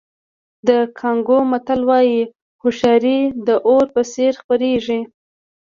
د کانګو متل وایي هوښیاري د اور په څېر خپرېږي.